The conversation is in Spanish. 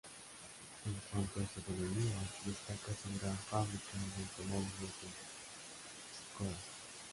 En cuanto a su economía, destaca su gran fábrica de automóviles de Škoda.